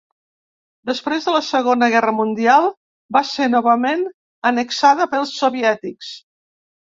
Després de la Segona Guerra mundial va ser novament annexada pels soviètics.